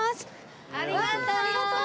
ありがとう！